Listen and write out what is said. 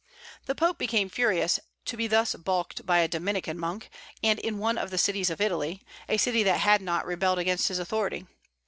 The Pope became furious, to be thus balked by a Dominican monk, and in one of the cities of Italy, a city that had not rebelled against his authority.